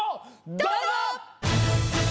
どうぞ！